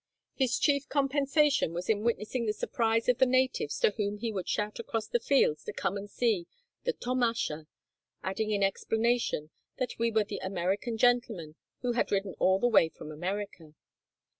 His chief compensation was in witnessing the surprise of the natives to whom he would shout across the fields to come and see the tomasha, adding in explanation that we were the American gentlemen who had ridden all the way from America.